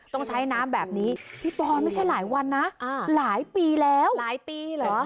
ต้องใช้น้ำแบบนี้พี่ปอนไม่ใช่หลายวันนะหลายปีแล้วหลายปีเหรอ